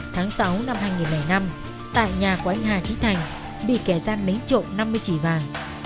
tháng sáu năm hai nghìn năm tại nhà của anh hà trí thành bị kẻ gian lấy trộm năm mươi chỉ vàng